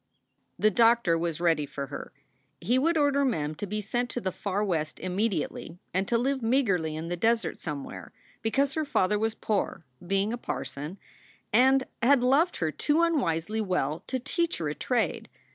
The doctor was ready for her. He would order Mem to be sent to the Far West immediately and to live meagerly in the desert somewhere, because her father was poor, being a parson, and had loved her too unwisely well to teach her a trade.